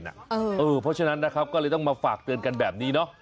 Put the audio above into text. เพราะฉะนั้นนะครับก็เลยต้องมาฝากเตือนกันแบบนี้เนาะ